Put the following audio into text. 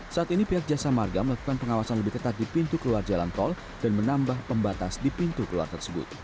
saat ini pihak jasa marga melakukan pengawasan lebih ketat di pintu keluar jalan tol dan menambah pembatas di pintu keluar tersebut